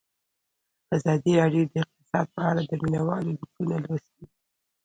ازادي راډیو د اقتصاد په اړه د مینه والو لیکونه لوستي.